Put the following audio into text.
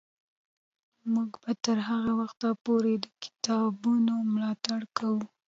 موږ به تر هغه وخته پورې د کتابتونونو ملاتړ کوو.